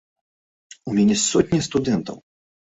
У мяне сотні студэнтаў.